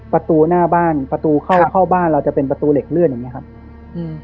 ประตูหน้าบ้านประตูเข้าเข้าบ้านเราจะเป็นประตูเหล็กเลื่อนอย่างเงี้ครับอืม